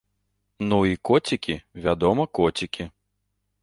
Ну і коцікі, вядома, коцікі.